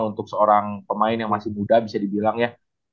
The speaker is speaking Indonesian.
untuk seorang pemain yang masih muda bisa dibilang ya